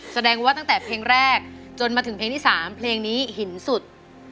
แสดงว่าตั้งแต่เพลงแรกจนมาถึงเพลงที่๓เพลงนี้หินสุด